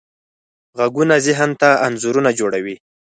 غږونه ذهن ته انځورونه جوړوي.